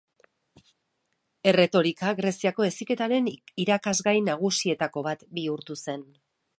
Erretorika Greziako heziketaren irakasgai nagusietako bat bihurtu zen.